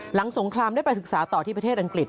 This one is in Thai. สงครามได้ไปศึกษาต่อที่ประเทศอังกฤษ